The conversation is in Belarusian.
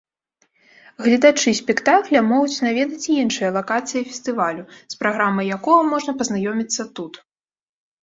Гледачы спектакля могуць наведаць і іншыя лакацыі фестывалю, з праграмай якога можна пазнаёміцца тут.